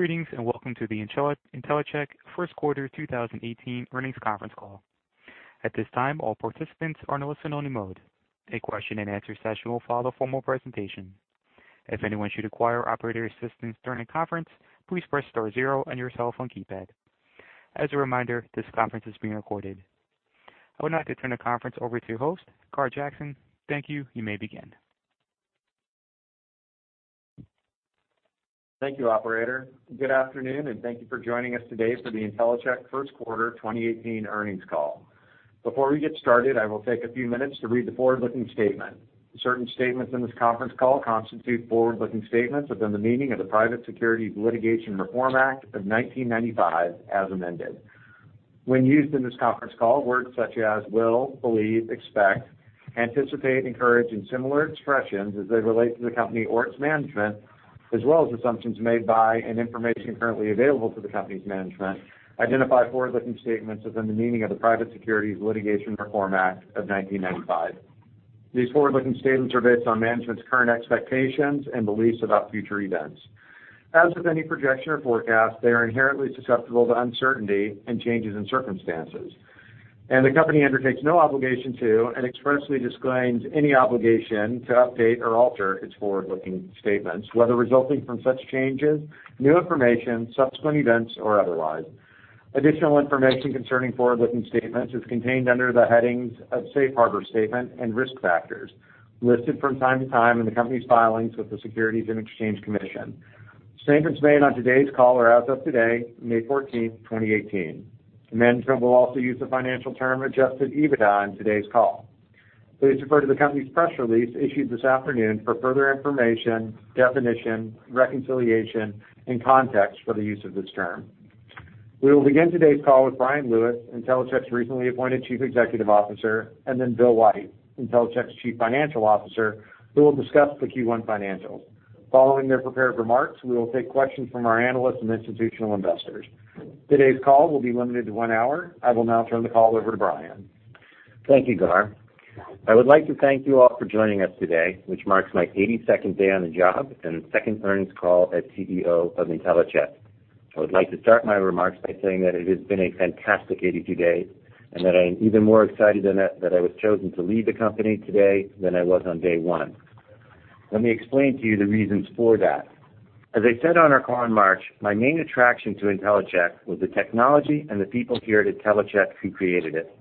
Greetings and Welcome to the Intellicheck First Quarter 2018 Earnings Conference Call. At this time, all participants are in a listen-only mode. A question-and-answer session will follow a formal presentation. If anyone should require operator assistance during the conference, please press star zero on your cell phone keypad. As a reminder, this conference is being recorded. I would like to turn the conference over to your host, Gar Jackson. Thank you. You may begin. Thank you, operator. Good afternoon, and thank you for joining us today for the Intellicheck first quarter 2018 earnings call. Before we get started, I will take a few minutes to read the forward-looking statement. Certain statements in this conference call constitute forward-looking statements within the meaning of the Private Securities Litigation Reform Act of 1995, as amended. When used in this conference call, words such as will, believe, expect, anticipate, encourage, and similar expressions as they relate to the company or its management, as well as assumptions made by and information currently available to the company's management, identify forward-looking statements within the meaning of the Private Securities Litigation Reform Act of 1995. These forward-looking statements are based on management's current expectations and beliefs about future events. As with any projection or forecast, they are inherently susceptible to uncertainty and changes in circumstances, and the company undertakes no obligation to and expressly disclaims any obligation to update or alter its forward-looking statements, whether resulting from such changes, new information, subsequent events, or otherwise. Additional information concerning forward-looking statements is contained under the headings of safe harbor statement and risk factors, listed from time to time in the company's filings with the Securities and Exchange Commission. Statements made on today's call are as of today, May 14, 2018. Management will also use the financial term Adjusted EBITDA in today's call. Please refer to the company's press release issued this afternoon for further information, definition, reconciliation, and context for the use of this term. We will begin today's call with Bryan Lewis, Intellicheck's recently appointed Chief Executive Officer, and then Bill White, Intellicheck's Chief Financial Officer, who will discuss the Q1 financials. Following their prepared remarks, we will take questions from our analysts and institutional investors. Today's call will be limited to one hour. I will now turn the call over to Bryan. Thank you, Gar. I would like to thank you all for joining us today, which marks my 82nd day on the job and second earnings call as CEO of Intellicheck. I would like to start my remarks by saying that it has been a fantastic 82 days and that I am even more excited that I was chosen to lead the company today than I was on day one. Let me explain to you the reasons for that. As I said on our call in March, my main attraction to Intellicheck was the technology and the people here at Intellicheck who created it.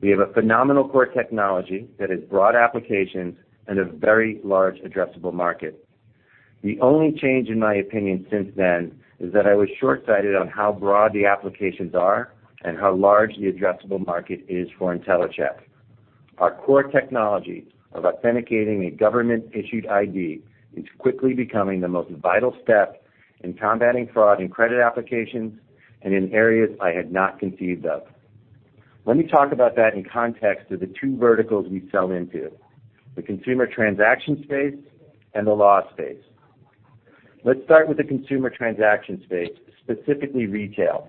We have a phenomenal core technology that has broad applications and a very large addressable market. The only change in my opinion since then is that I was shortsighted on how broad the applications are and how large the addressable market is for Intellicheck. Our core technology of authenticating a government-issued ID is quickly becoming the most vital step in combating fraud in credit applications and in areas I had not conceived of. Let me talk about that in context of the two verticals we sell into: the consumer transaction space and the law space. Let's start with the consumer transaction space, specifically retail.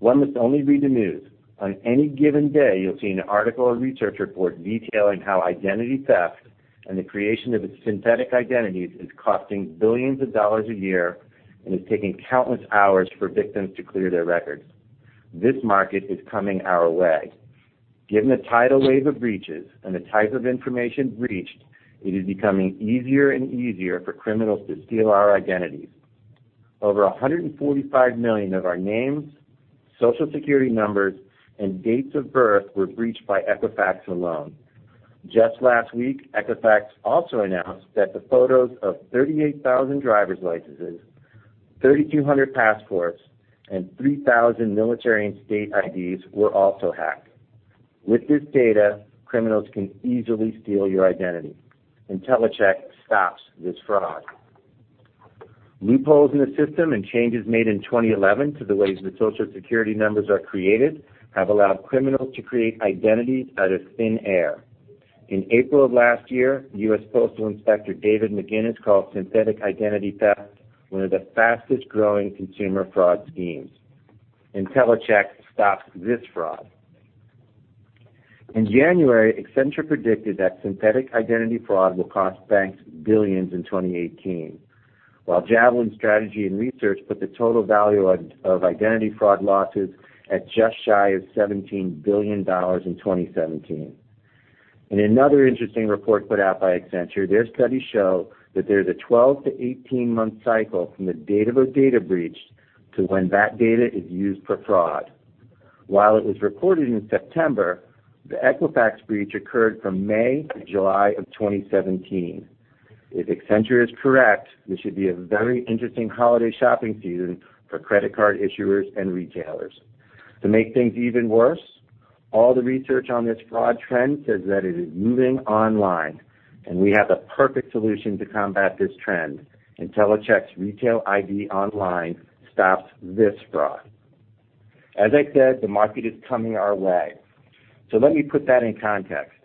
One must only read the news. On any given day, you'll see an article or research report detailing how identity theft and the creation of synthetic identities is costing billions of dollars a year and is taking countless hours for victims to clear their records. This market is coming our way. Given the tidal wave of breaches and the type of information breached, it is becoming easier and easier for criminals to steal our identities. Over 145 million of our names, Social Security numbers, and dates of birth were breached by Equifax alone. Just last week, Equifax also announced that the photos of 38,000 driver's licenses, 3,200 passports, and 3,000 military and state IDs were also hacked. With this data, criminals can easily steal your identity. Intellicheck stops this fraud. Loopholes in the system and changes made in 2011 to the ways the Social Security numbers are created have allowed criminals to create identities out of thin air. In April of last year, U.S. Postal Inspector David McGinnis called synthetic identity theft one of the fastest-growing consumer fraud schemes. Intellicheck stops this fraud. In January, Accenture predicted that synthetic identity fraud will cost banks billions in 2018, while Javelin Strategy and Research put the total value of identity fraud losses at just shy of $17 billion in 2017. In another interesting report put out by Accenture, their studies show that there is a 12-18-month cycle from the date of a data breach to when that data is used for fraud. While it was reported in September, the Equifax breach occurred from May to July of 2017. If Accenture is correct, this should be a very interesting holiday shopping season for credit card issuers and retailers. To make things even worse, all the research on this fraud trend says that it is moving online, and we have the perfect solution to combat this trend. Intellicheck's Retail ID Online stops this fraud. As I said, the market is coming our way. So let me put that in context.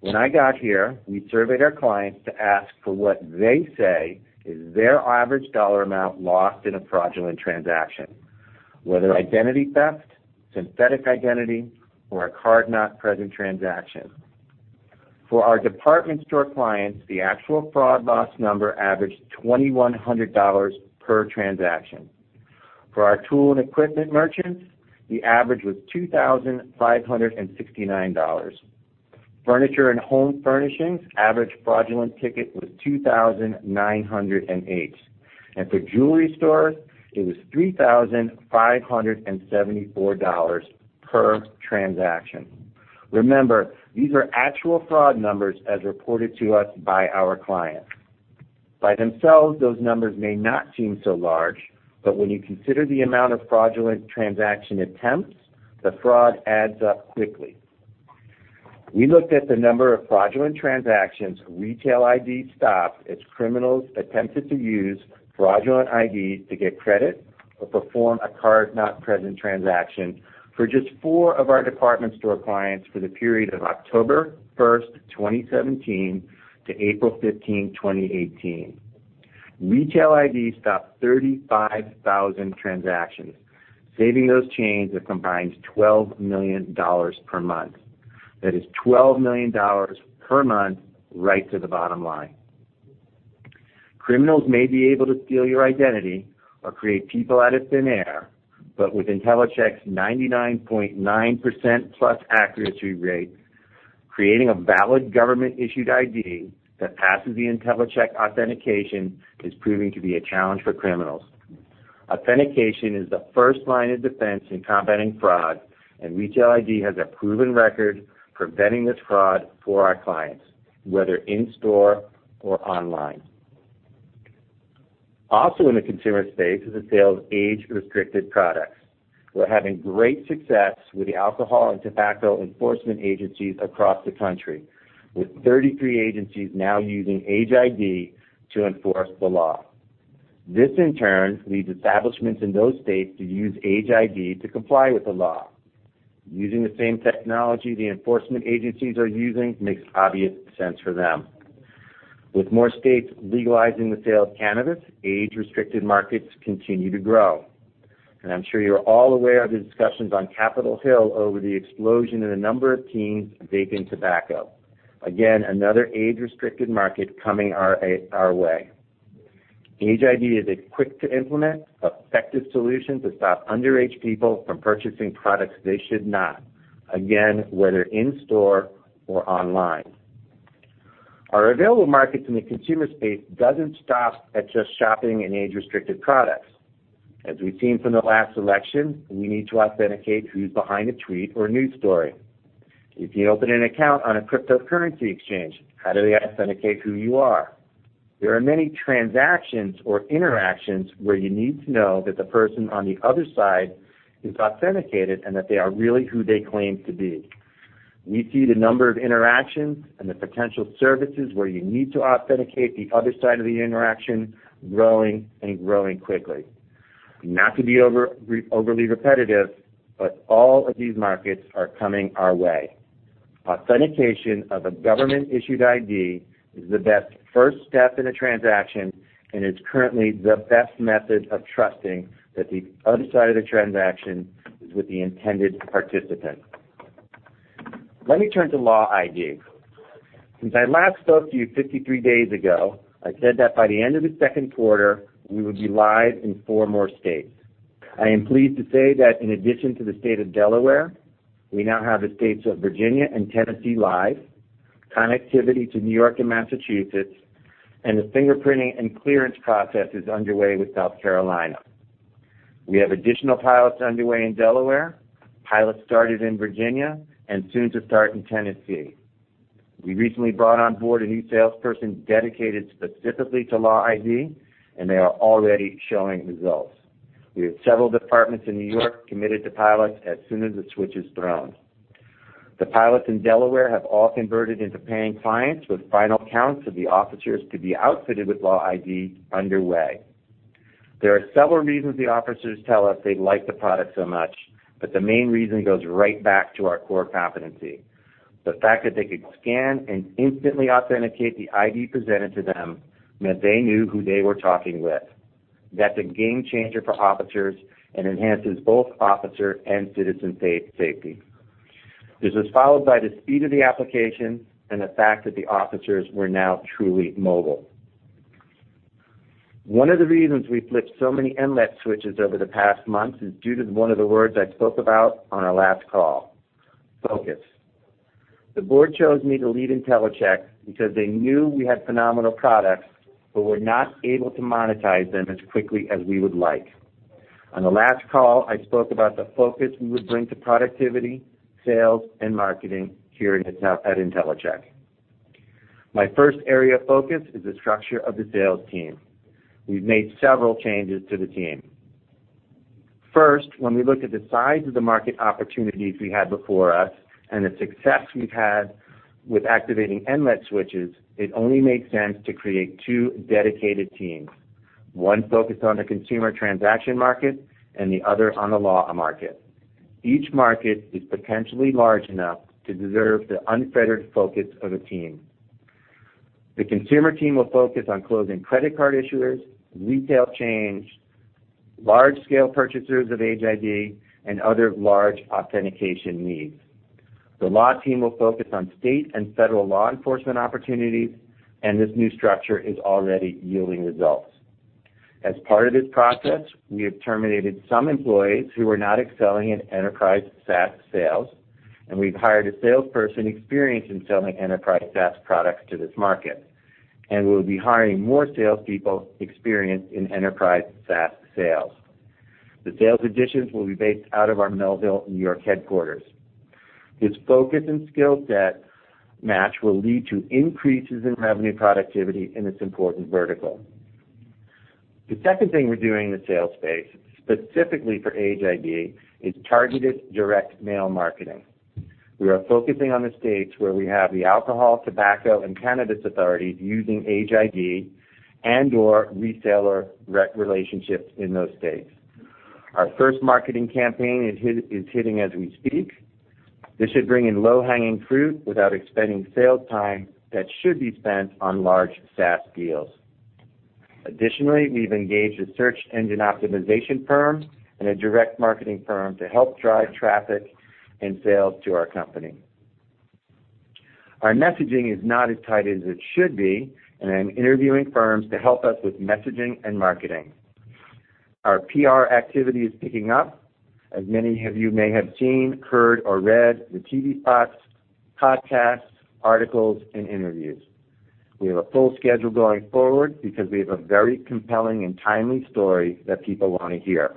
When I got here, we surveyed our clients to ask for what they say is their average dollar amount lost in a fraudulent transaction, whether identity theft, synthetic identity, or a card not present transaction. For our department store clients, the actual fraud loss number averaged $2,100 per transaction. For our tool and equipment merchants, the average was $2,569. Furniture and home furnishings' average fraudulent ticket was $2,908, and for jewelry stores, it was $3,574 per transaction. Remember, these are actual fraud numbers as reported to us by our clients. By themselves, those numbers may not seem so large, but when you consider the amount of fraudulent transaction attempts, the fraud adds up quickly. We looked at the number of fraudulent transactions Retail ID stopped as criminals attempted to use fraudulent IDs to get credit or perform a Card Not Present transaction for just four of our department store clients for the period of October 1st, 2017 to April 15th, 2018. Retail ID stopped 35,000 transactions, saving those chains a combined $12 million per month. That is $12 million per month right to the bottom line. Criminals may be able to steal your identity or create people out of thin air, but with Intellicheck's 99.9% plus accuracy rate, creating a valid government-issued ID that passes the Intellicheck authentication is proving to be a challenge for criminals. Authentication is the first line of defense in combating fraud, and Retail ID has a proven record preventing this fraud for our clients, whether in store or online. Also, in the consumer space is the sale of age-restricted products. We're having great success with the alcohol and tobacco enforcement agencies across the country, with 33 agencies now using Age ID to enforce the law. This, in turn, leads establishments in those states to use Age ID to comply with the law. Using the same technology the enforcement agencies are using makes obvious sense for them. With more states legalizing the sale of cannabis, age-restricted markets continue to grow. And I'm sure you're all aware of the discussions on Capitol Hill over the explosion in the number of teens vaping tobacco. Again, another age-restricted market coming our way. Age ID is a quick-to-implement, effective solution to stop underage people from purchasing products they should not, again, whether in store or online. Our available markets in the consumer space don't stop at just shopping and age-restricted products. As we've seen from the last election, we need to authenticate who's behind a tweet or news story. If you open an account on a cryptocurrency exchange, how do they authenticate who you are? There are many transactions or interactions where you need to know that the person on the other side is authenticated and that they are really who they claim to be. We see the number of interactions and the potential services where you need to authenticate the other side of the interaction growing and growing quickly. Not to be overly repetitive, but all of these markets are coming our way. Authentication of a government-issued ID is the best first step in a transaction and is currently the best method of trusting that the other side of the transaction is with the intended participant. Let me turn to Law ID. Since I last spoke to you 53 days ago, I said that by the end of the second quarter, we would be live in four more states. I am pleased to say that in addition to the state of Delaware, we now have the states of Virginia and Tennessee live, connectivity to New York and Massachusetts, and the fingerprinting and clearance process is underway with South Carolina. We have additional pilots underway in Delaware, pilots started in Virginia, and soon to start in Tennessee. We recently brought on board a new salesperson dedicated specifically to Law ID, and they are already showing results. We have several departments in New York committed to pilots as soon as the switch is thrown. The pilots in Delaware have all converted into paying clients with final counts of the officers to be outfitted with Law ID underway. There are several reasons the officers tell us they like the product so much, but the main reason goes right back to our core competency. The fact that they could scan and instantly authenticate the ID presented to them meant they knew who they were talking with. That's a game changer for officers and enhances both officer and citizen safety. This was followed by the speed of the application and the fact that the officers were now truly mobile. One of the reasons we flipped so many NLETS switches over the past months is due to one of the words I spoke about on our last call: focus. The board chose me to lead Intellicheck because they knew we had phenomenal products but were not able to monetize them as quickly as we would like. On the last call, I spoke about the focus we would bring to productivity, sales, and marketing here at Intellicheck. My first area of focus is the structure of the sales team. We've made several changes to the team. First, when we looked at the size of the market opportunities we had before us and the success we've had with activating NLETS switches, it only made sense to create two dedicated teams: one focused on the consumer transaction market and the other on the law market. Each market is potentially large enough to deserve the unfettered focus of a team. The consumer team will focus on closing credit card issuers, retail chains, large-scale purchasers of Age ID, and other large authentication needs. The law team will focus on state and federal law enforcement opportunities, and this new structure is already yielding results. As part of this process, we have terminated some employees who are not excelling in enterprise SaaS sales, and we've hired a salesperson experienced in selling enterprise SaaS products to this market, and we'll be hiring more salespeople experienced in enterprise SaaS sales. The sales additions will be based out of our Melville, New York headquarters. This focus and skill set match will lead to increases in revenue productivity in this important vertical. The second thing we're doing in the sales space, specifically for Age ID, is targeted direct mail marketing. We are focusing on the states where we have the alcohol, tobacco, and cannabis authorities using Age ID and/or reseller relationships in those states. Our first marketing campaign is hitting as we speak. This should bring in low-hanging fruit without expending sales time that should be spent on large SaaS deals. Additionally, we've engaged a search engine optimization firm and a direct marketing firm to help drive traffic and sales to our company. Our messaging is not as tight as it should be, and I'm interviewing firms to help us with messaging and marketing. Our PR activity is picking up. As many of you may have seen, heard, or read the TV spots, podcasts, articles, and interviews. We have a full schedule going forward because we have a very compelling and timely story that people want to hear.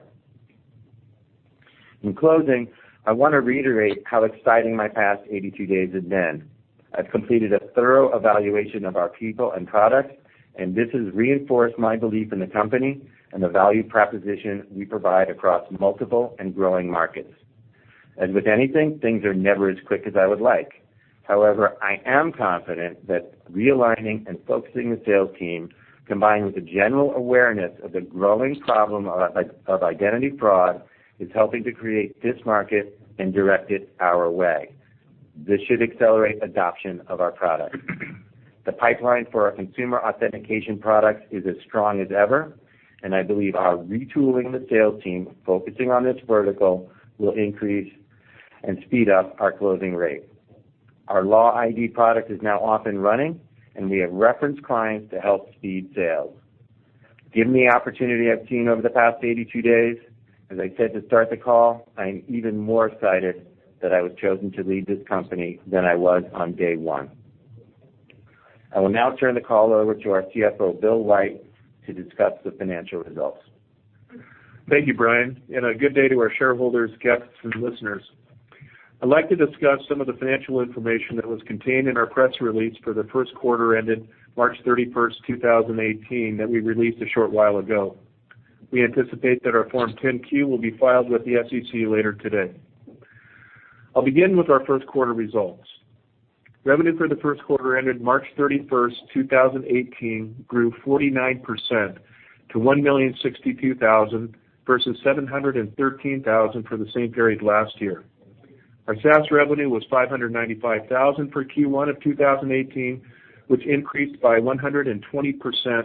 In closing, I want to reiterate how exciting my past 82 days have been. I've completed a thorough evaluation of our people and products, and this has reinforced my belief in the company and the value proposition we provide across multiple and growing markets. As with anything, things are never as quick as I would like. However, I am confident that realigning and focusing the sales team, combined with a general awareness of the growing problem of identity fraud, is helping to create this market and direct it our way. This should accelerate adoption of our products. The pipeline for our consumer authentication products is as strong as ever, and I believe our retooling the sales team, focusing on this vertical, will increase and speed up our closing rate. Our Law ID product is now off and running, and we have referenced clients to help speed sales. Given the opportunity I've seen over the past 82 days, as I said to start the call, I am even more excited that I was chosen to lead this company than I was on day one. I will now turn the call over to our CFO, Bill White, to discuss the financial results. Thank you, Bryan, and a good day to our shareholders, guests, and listeners. I'd like to discuss some of the financial information that was contained in our press release for the first quarter ended March 31st, 2018, that we released a short while ago. We anticipate that our Form 10-Q will be filed with the SEC later today. I'll begin with our first quarter results. Revenue for the first quarter ended March 31st, 2018 grew 49% to $1,062,000 versus $713,000 for the same period last year. Our SaaS revenue was $595,000 for Q1 of 2018, which increased by 120%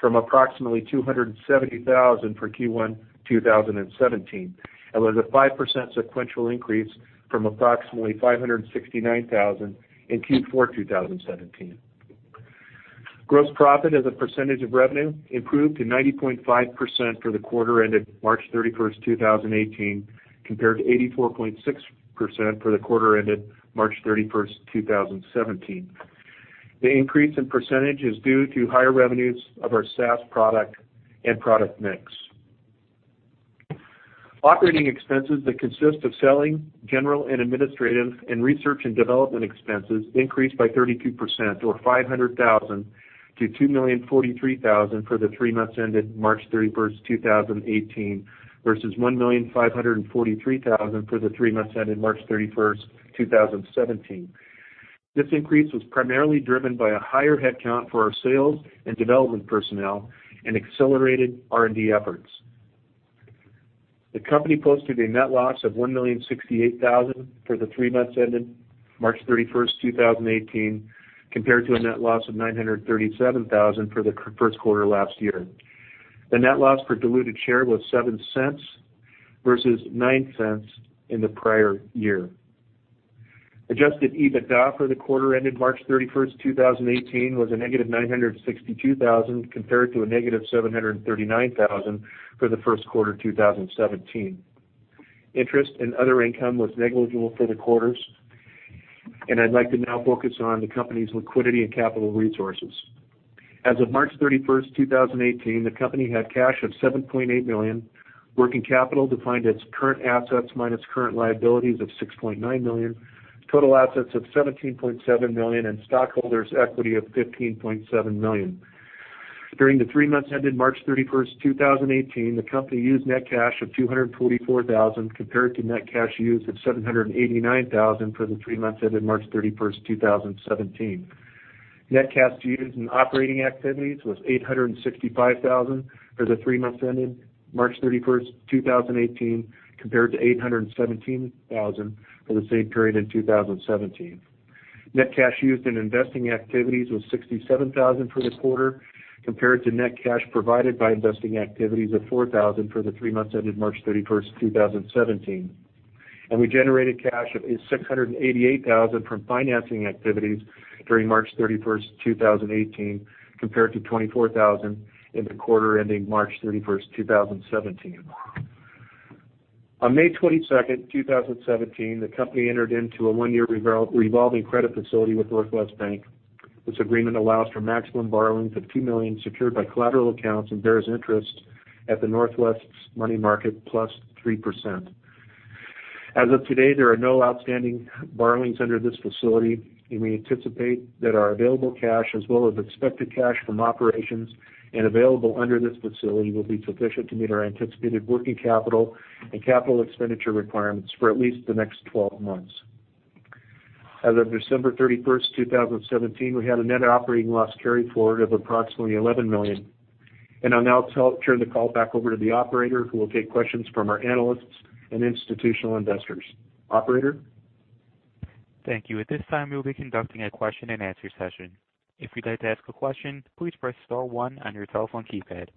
from approximately $270,000 for Q1 2017. It was a 5% sequential increase from approximately $569,000 in Q4 2017. Gross profit as a percentage of revenue improved to 90.5% for the quarter ended March 31st, 2018 compared to 84.6% for the quarter ended March 31st, 2017. The increase in percentage is due to higher revenues of our SaaS product and product mix. Operating expenses that consist of selling, general and administrative, and research and development expenses increased by 32%, or $500,000 to $2,043,000 for the three months ended March 31, 2018, versus $1,543,000 for the three months ended March 31st, 2017. This increase was primarily driven by a higher headcount for our sales and development personnel and accelerated R&D efforts. The company posted a net loss of $1,068,000 for the three months ended March 31st, 2018, compared to a net loss of $937,000 for the first quarter last year. The net loss for diluted share was $0.07 versus $0.09 in the prior year. Adjusted EBITDA for the quarter ended March 31st, 2018 was a negative $962,000 compared to a negative $739,000 for the first quarter 2017. Interest and other income was negligible for the quarters, and I'd like to now focus on the company's liquidity and capital resources. As of March 31st, 2018, the company had cash of $7.8 million, working capital defined as current assets minus current liabilities of $6.9 million, total assets of $17.7 million, and stockholders' equity of $15.7 million. During the three months ended March 31st, 2018, the company used net cash of $244,000 compared to net cash used of $789,000 for the three months ended March 31st, 2017. Net cash used in operating activities was $865,000 for the three months ended March 31st, 2018, compared to $817,000 for the same period in 2017. Net cash used in investing activities was $67,000 for the quarter compared to net cash provided by investing activities of $4,000 for the three months ended March 31st, 2017. We generated cash of $688,000 from financing activities for the quarter ended March 31, 2018, compared to $24,000 in the quarter ending March 31st, 2017. On May 22nd, 2017, the company entered into a one-year revolving credit facility with Northwest Bank. This agreement allows for maximum borrowings of $2 million secured by collateral accounts and bears interest at the Northwest's money market plus 3%. As of today, there are no outstanding borrowings under this facility, and we anticipate that our available cash, as well as expected cash from operations and available under this facility, will be sufficient to meet our anticipated working capital and capital expenditure requirements for at least the next 12 months. As of December 31st, 2017, we had a net operating loss carried forward of approximately $11 million. I'll now turn the call back over to the operator, who will take questions from our analysts and institutional investors. Operator? Thank you. At this time, we will be conducting a question-and-answer session. If you'd like to ask a question, please press star one on your telephone keypad.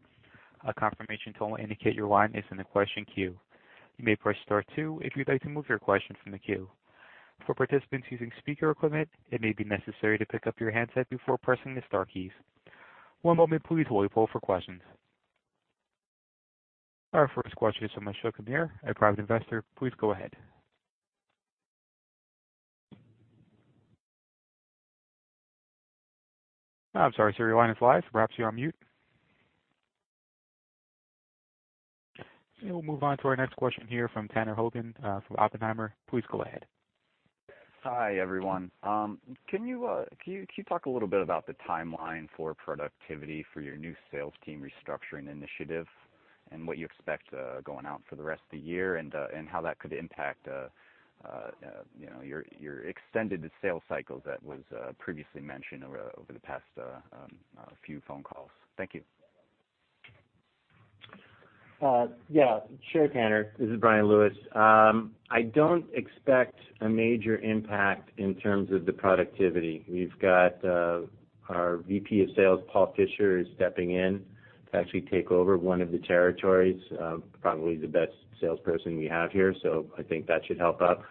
A confirmation tone will indicate your line is in the question queue. You may press star two if you'd like to move your question from the queue. For participants using speaker equipment, it may be necessary to pick up your handset before pressing the star keys. One moment, please, while we pull up for questions. Our first question is from Michelle Cavner, a private investor. Please go ahead. I'm sorry, sir. Your line is live. Perhaps you're on mute. And we'll move on to our next question here from Tanner Hoban from Oppenheimer. Please go ahead. Hi, everyone. Can you talk a little bit about the timeline for productivity for your new sales team restructuring initiative and what you expect going out for the rest of the year and how that could impact your extended sales cycle that was previously mentioned over the past few phone calls? Thank you. Yeah. Sure, Tanner. This is Bryan Lewis. I don't expect a major impact in terms of the productivity. We've got our VP of Sales, Paul Fisher, stepping in to actually take over one of the territories, probably the best salesperson we have here, so I think that should help out.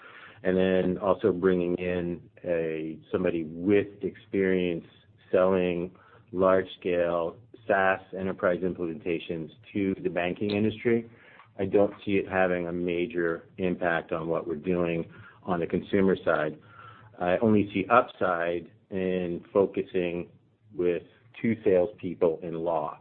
And then also bringing in somebody with experience selling large-scale SaaS enterprise implementations to the banking industry. I don't see it having a major impact on what we're doing on the consumer side. I only see upside in focusing with two salespeople in law.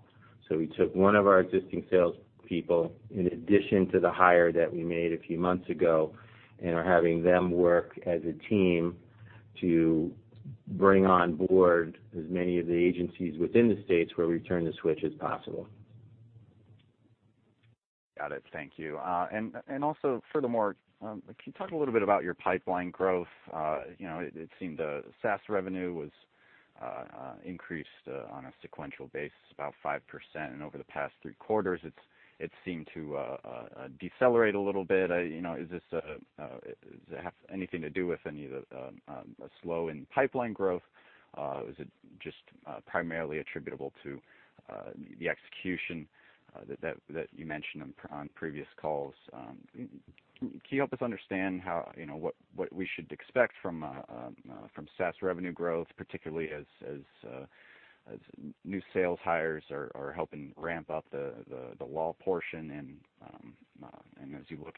So we took one of our existing salespeople in addition to the hire that we made a few months ago and are having them work as a team to bring on board as many of the agencies within the states where we turn the switch as possible. Got it. Thank you. And also, furthermore, can you talk a little bit about your pipeline growth? It seemed the SaaS revenue was increased on a sequential basis, about 5%, and over the past three quarters, it seemed to decelerate a little bit. Is this anything to do with any of the slow in pipeline growth? Is it just primarily attributable to the execution that you mentioned on previous calls? Can you help us understand what we should expect from SaaS revenue growth, particularly as new sales hires are helping ramp up the law portion and as you look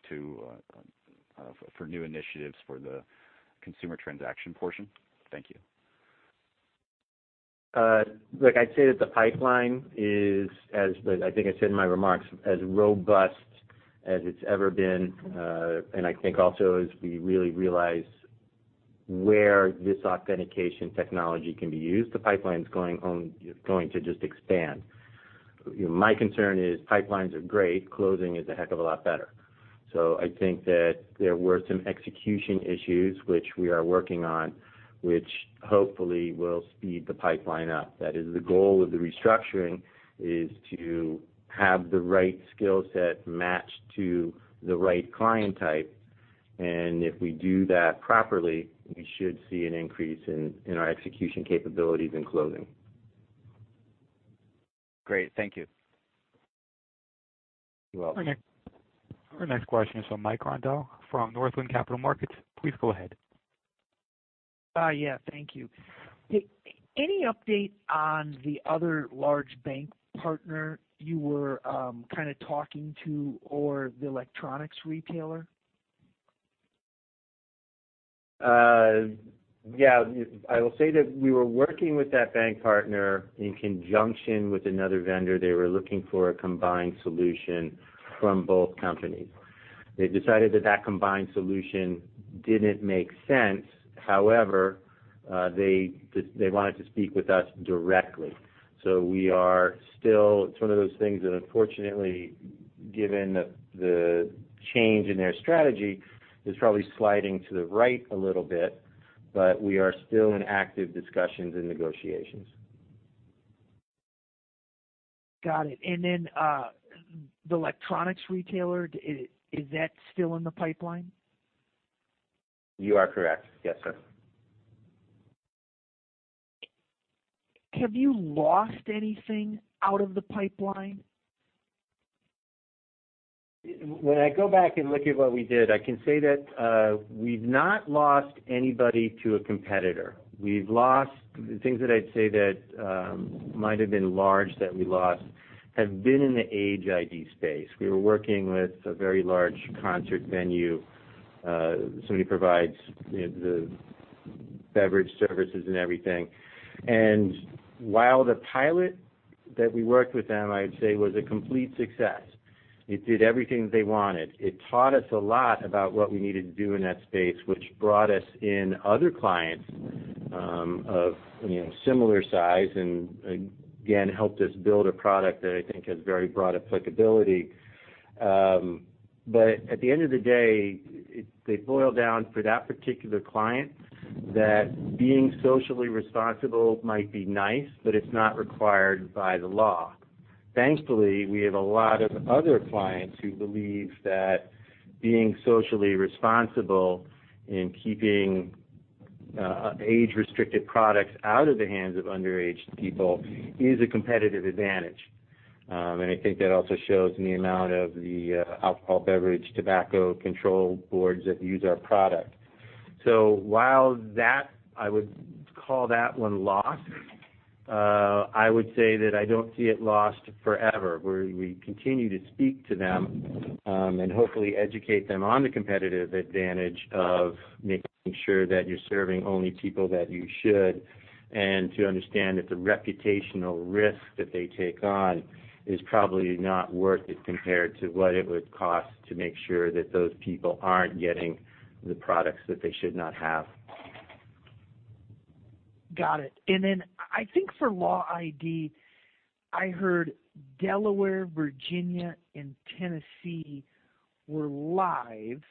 for new initiatives for the consumer transaction portion? Thank you. Look, I'd say that the pipeline is, as I think I said in my remarks, as robust as it's ever been. And I think also as we really realize where this authentication technology can be used, the pipeline's going to just expand. My concern is pipelines are great. Closing is a heck of a lot better. So I think that there were some execution issues, which we are working on, which hopefully will speed the pipeline up. That is the goal of the restructuring, is to have the right skill set matched to the right client type. And if we do that properly, we should see an increase in our execution capabilities and closing. Great. Thank you. You're welcome. Okay. Our next question is from Mike Grondahl from Northland Capital Markets. Please go ahead. Yeah. Thank you. Any update on the other large bank partner you were kind of talking to or the electronics retailer? Yeah. I will say that we were working with that bank partner in conjunction with another vendor. They were looking for a combined solution from both companies. They decided that that combined solution didn't make sense. However, they wanted to speak with us directly. So we are still. It's one of those things that, unfortunately, given the change in their strategy, is probably sliding to the right a little bit, but we are still in active discussions and negotiations. Got it. And then the electronics retailer, is that still in the pipeline? You are correct. Yes, sir. Have you lost anything out of the pipeline? When I go back and look at what we did, I can say that we've not lost anybody to a competitor. The things that I'd say that might have been large that we lost have been in the Age ID space. We were working with a very large concert venue. Somebody provides the beverage services and everything. And while the pilot that we worked with them, I would say, was a complete success, it did everything that they wanted. It taught us a lot about what we needed to do in that space, which brought us in other clients of similar size and, again, helped us build a product that I think has very broad applicability. But at the end of the day, they boiled down for that particular client that being socially responsible might be nice, but it's not required by the law. Thankfully, we have a lot of other clients who believe that being socially responsible in keeping age-restricted products out of the hands of underage people is a competitive advantage. And I think that also shows in the amount of the alcohol, beverage, tobacco control boards that use our product. So while that, I would call that one lost, I would say that I don't see it lost forever. We continue to speak to them and hopefully educate them on the competitive advantage of making sure that you're serving only people that you should and to understand that the reputational risk that they take on is probably not worth it compared to what it would cost to make sure that those people aren't getting the products that they should not have. Got it. And then I think for Law ID, I heard Delaware, Virginia, and Tennessee were live,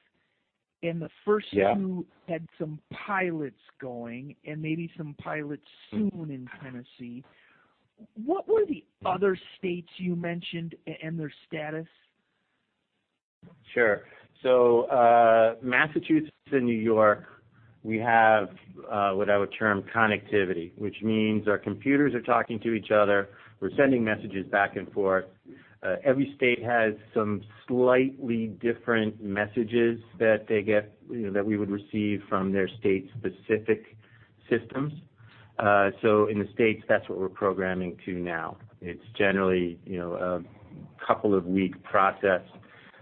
and the first two had some pilots going and maybe some pilots soon in Tennessee. What were the other states you mentioned and their status? Sure. So Massachusetts and New York, we have what I would term connectivity, which means our computers are talking to each other. We're sending messages back and forth. Every state has some slightly different messages that they get that we would receive from their state-specific systems. So in the states, that's what we're programming to now. It's generally a couple of weeks process.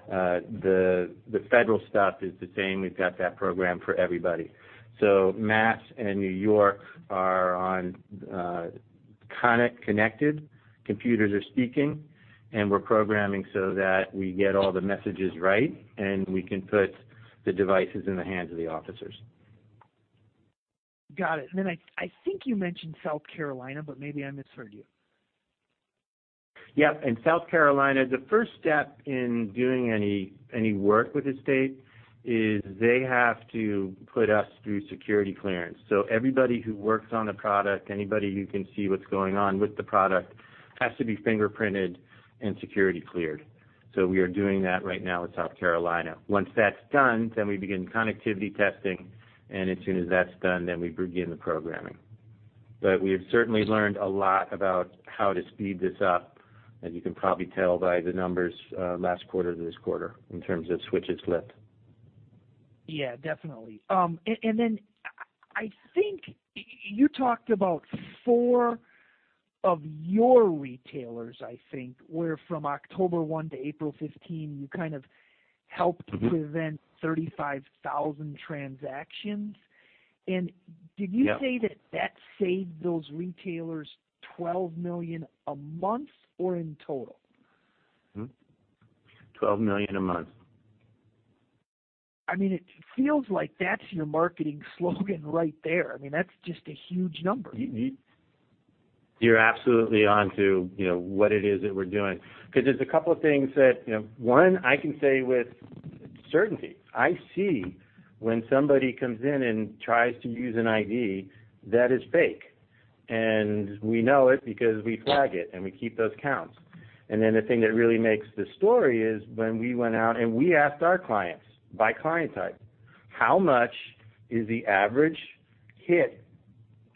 The federal stuff is the same. We've got that program for everybody. So Mass and New York are now connected. Computers are speaking, and we're programming so that we get all the messages right and we can put the devices in the hands of the officers. Got it. And then I think you mentioned South Carolina, but maybe I misheard you? Yep. In South Carolina, the first step in doing any work with the state is they have to put us through security clearance. So everybody who works on the product, anybody who can see what's going on with the product, has to be fingerprinted and security cleared. So we are doing that right now with South Carolina. Once that's done, then we begin connectivity testing, and as soon as that's done, then we begin the programming. But we have certainly learned a lot about how to speed this up, as you can probably tell by the numbers last quarter to this quarter in terms of switches lit. Yeah. Definitely. And then I think you talked about four of your retailers, I think, where from October 1 to April 15, you kind of helped prevent 35,000 transactions. And did you say that that saved those retailers $12 million a month or in total? 12 million a month. I mean, it feels like that's your marketing slogan right there. I mean, that's just a huge number. You're absolutely on to what it is that we're doing. Because there's a couple of things that, one, I can say with certainty. I see when somebody comes in and tries to use an ID that is fake. And we know it because we flag it, and we keep those counts. And then the thing that really makes the story is when we went out and we asked our clients by client type, "How much is the average hit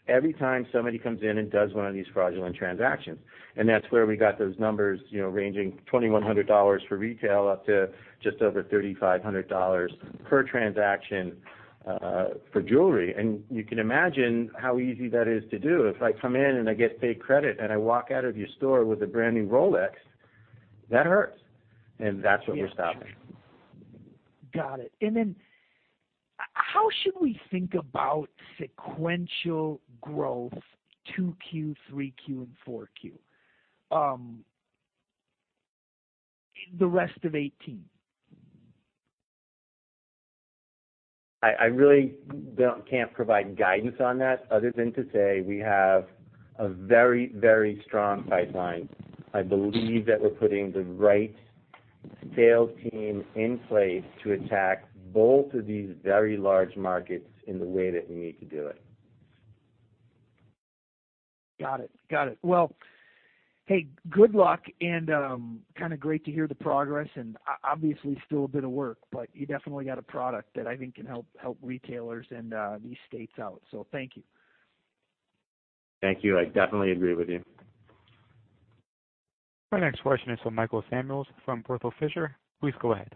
every time somebody comes in and does one of these fraudulent transactions?" And that's where we got those numbers ranging $2,100 for retail up to just over $3,500 per transaction for jewelry. And you can imagine how easy that is to do. If I come in and I get fake credit and I walk out of your store with a brand new Rolex, that hurts. And that's what we're stopping. Got it. And then how should we think about sequential growth, 2Q, 3Q, and 4Q, the rest of 2018? I really can't provide guidance on that other than to say we have a very, very strong pipeline. I believe that we're putting the right sales team in place to attack both of these very large markets in the way that we need to do it. Got it. Got it. Well, hey, good luck. And kind of great to hear the progress. And obviously, still a bit of work, but you definitely got a product that I think can help retailers and these states out. So thank you. Thank you. I definitely agree with you. Our next question is from Michael Samuels from Berthel Fisher. Please go ahead.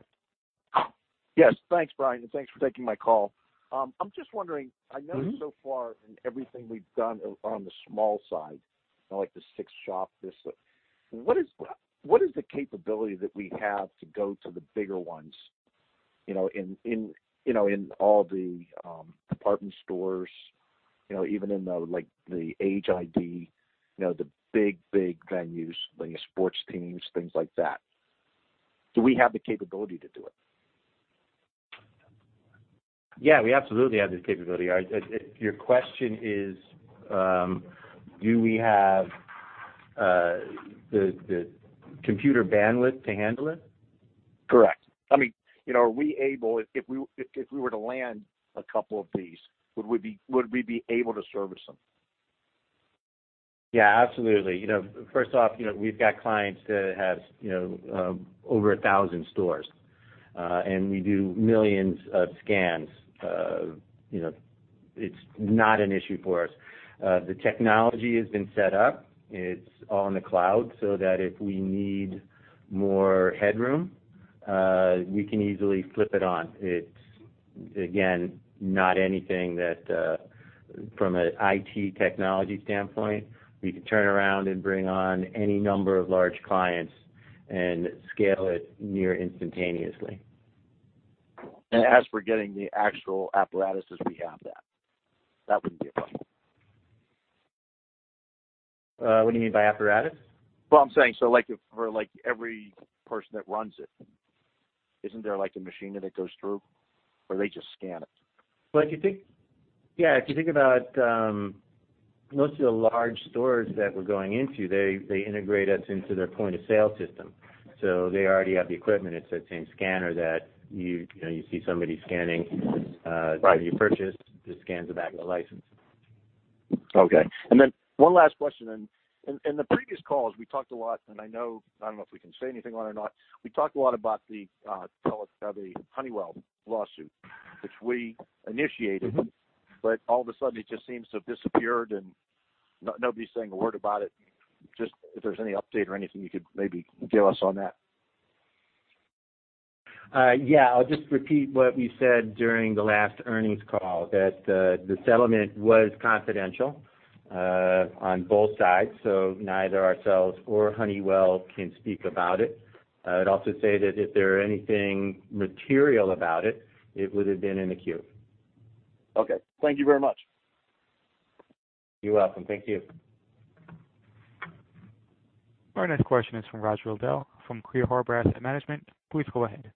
Yes. Thanks, Bryan. And thanks for taking my call. I'm just wondering, I know so far in everything we've done on the small side, like the six shops, what is the capability that we have to go to the bigger ones in all the department stores, even in the Age ID, the big, big venues, sports teams, things like that? Do we have the capability to do it? Yeah. We absolutely have the capability. Your question is, do we have the computer bandwidth to handle it? Correct. I mean, are we able, if we were to land a couple of these, would we be able to service them? Yeah. Absolutely. First off, we've got clients that have over 1,000 stores, and we do millions of scans. It's not an issue for us. The technology has been set up. It's all in the cloud so that if we need more headroom, we can easily flip it on. It's, again, not anything that, from an IT technology standpoint, we can turn around and bring on any number of large clients and scale it near instantaneously. As we're getting the actual apparatus, as we have that, that wouldn't be a problem. What do you mean by apparatus? I'm saying so for every person that runs it, isn't there a machine that goes through, or they just scan it? Yeah. If you think about most of the large stores that we're going into, they integrate us into their point of sale system. So they already have the equipment. It's that same scanner that you see somebody scanning when you purchase. It scans it back to license. Okay. And then one last question. In the previous calls, we talked a lot, and I don't know if we can say anything on it or not. We talked a lot about the Honeywell lawsuit, which we initiated, but all of a sudden, it just seems to have disappeared, and nobody's saying a word about it. Just if there's any update or anything you could maybe give us on that? Yeah. I'll just repeat what we said during the last earnings call, that the settlement was confidential on both sides, so neither ourselves or Honeywell can speak about it. I would also say that if there were anything material about it, it would have been in the 10-Q. Okay. Thank you very much. You're welcome. Thank you. Our next question is from Roger Liddell from Clear Harbor Asset Management. Please go ahead.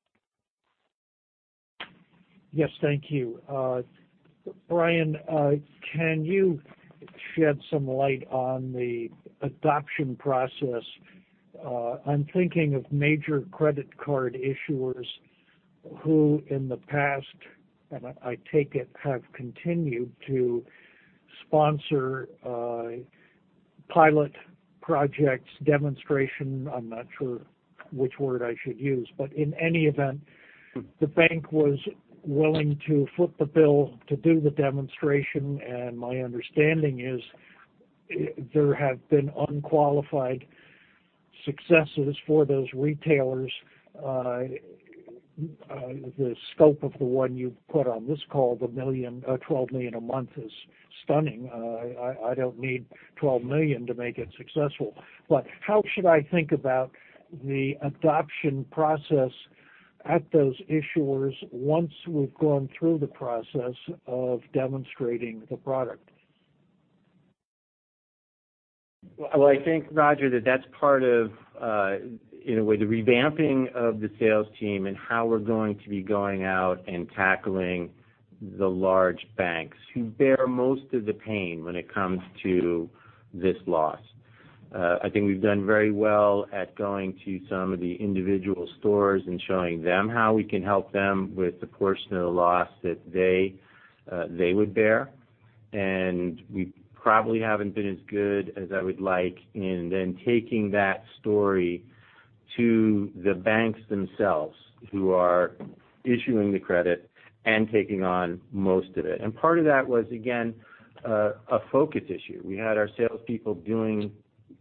Yes. Thank you. Bryan, can you shed some light on the adoption process? I'm thinking of major credit card issuers who in the past, and I take it, have continued to sponsor pilot projects, demonstration. I'm not sure which word I should use. But in any event, the bank was willing to foot the bill to do the demonstration. And my understanding is there have been unqualified successes for those retailers. The scope of the one you put on this call, the 12 million a month, is stunning. I don't need 12 million to make it successful. But how should I think about the adoption process at those issuers once we've gone through the process of demonstrating the product? I think, Roger, that that's part of, in a way, the revamping of the sales team and how we're going to be going out and tackling the large banks who bear most of the pain when it comes to this loss. I think we've done very well at going to some of the individual stores and showing them how we can help them with the portion of the loss that they would bear. We probably haven't been as good as I would like in then taking that story to the banks themselves who are issuing the credit and taking on most of it. Part of that was, again, a focus issue. We had our salespeople doing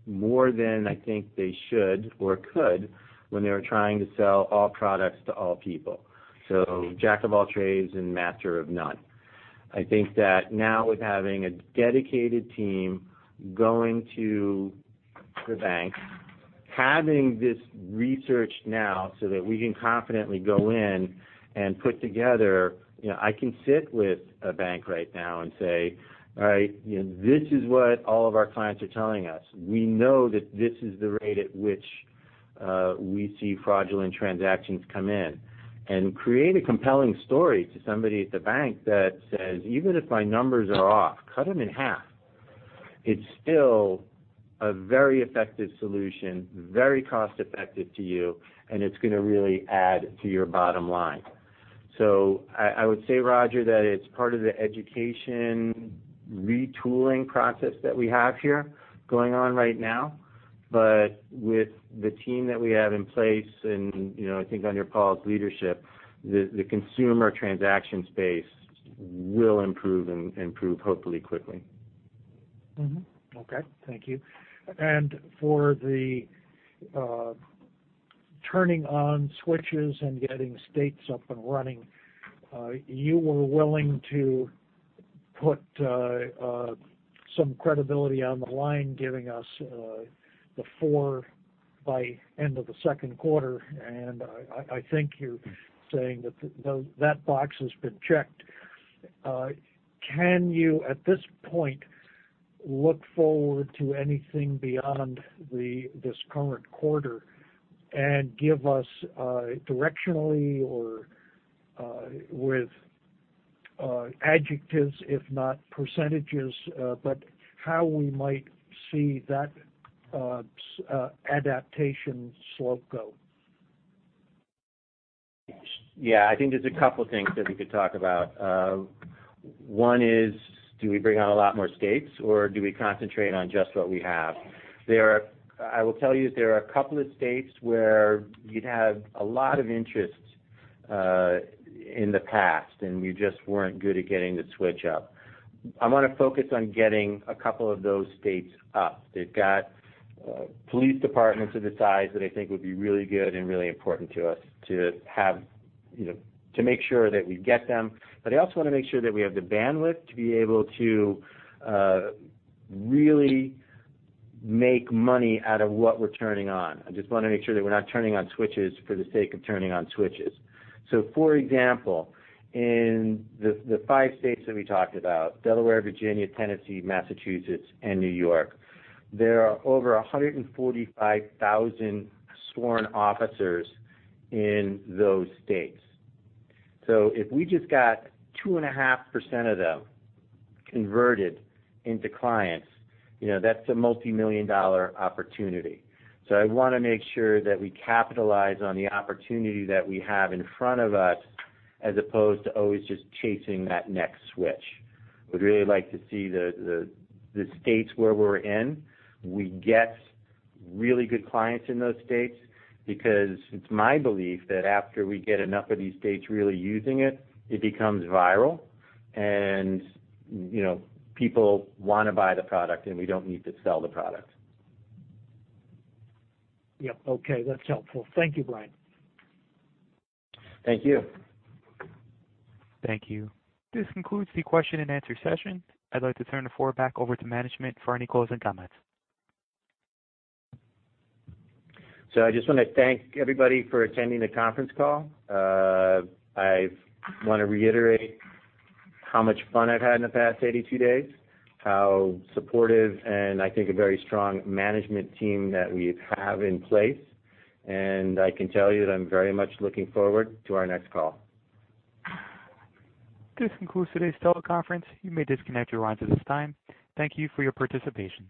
more than I think they should or could when they were trying to sell all products to all people, so jack of all trades and master of none. I think that now with having a dedicated team going to the banks, having this research now so that we can confidently go in and put together, I can sit with a bank right now and say, "All right. This is what all of our clients are telling us. We know that this is the rate at which we see fraudulent transactions come in." And create a compelling story to somebody at the bank that says, "Even if my numbers are off, cut them in half." It's still a very effective solution, very cost-effective to you, and it's going to really add to your bottom line. So I would say, Roger, that it's part of the education retooling process that we have here going on right now. But with the team that we have in place and I think under Paul's leadership, the consumer transaction space will improve and improve hopefully quickly. Okay. Thank you. And for the turning on switches and getting states up and running, you were willing to put some credibility on the line, giving us the four by end of the second quarter. And I think you're saying that that box has been checked. Can you, at this point, look forward to anything beyond this current quarter and give us directionally or with adjectives, if not percentages, but how we might see that adaptation slope go? Yeah. I think there's a couple of things that we could talk about. One is, do we bring on a lot more states, or do we concentrate on just what we have? I will tell you there are a couple of states where you'd have a lot of interest in the past, and you just weren't good at getting the switch up. I want to focus on getting a couple of those states up. They've got police departments of the size that I think would be really good and really important to us to have to make sure that we get them. But I also want to make sure that we have the bandwidth to be able to really make money out of what we're turning on. I just want to make sure that we're not turning on switches for the sake of turning on switches. For example, in the five states that we talked about, Delaware, Virginia, Tennessee, Massachusetts, and New York, there are over 145,000 sworn officers in those states. If we just got 2.5% of them converted into clients, that's a multi-million-dollar opportunity. I want to make sure that we capitalize on the opportunity that we have in front of us as opposed to always just chasing that next switch. I would really like to see the states where we're in, we get really good clients in those states because it's my belief that after we get enough of these states really using it, it becomes viral, and people want to buy the product, and we don't need to sell the product. Yep. Okay. That's helpful. Thank you, Bryan. Thank you. Thank you. This concludes the question and answer session. I'd like to turn the floor back over to management for any closing comments. So I just want to thank everybody for attending the conference call. I want to reiterate how much fun I've had in the past 82 days, how supportive and I think a very strong management team that we have in place, and I can tell you that I'm very much looking forward to our next call. This concludes today's teleconference. You may disconnect your lines at this time. Thank you for your participation.